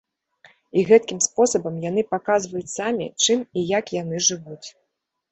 І гэткім спосабам яны паказваюць самі, чым і як яны жывуць.